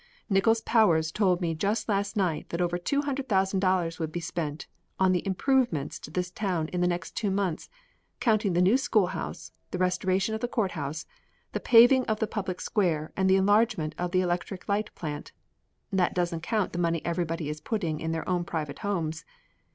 "Nickols Powers told me just last night that over two hundred thousand dollars would be spent on the improvements to this town in the next two months, counting the new schoolhouse, the restoration of the courthouse, the paving of the public square and the enlargement of the electric light plant. That doesn't count the money everybody is putting on their own private homes.